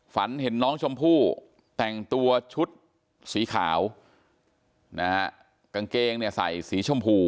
แม่น้องชมพู่แม่น้องชมพู่แม่น้องชมพู่แม่น้องชมพู่